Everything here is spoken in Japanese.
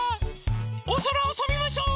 おそらをとびましょう！